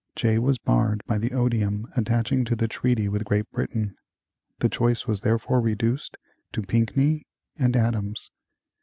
Jay was barred by the odium attaching to the treaty with Great Britain. The choice was therefore reduced to Pinckney and Adams.